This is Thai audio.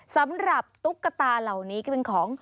สำหรับตุ๊กกะตาเหล่านี้ก็เป็นของ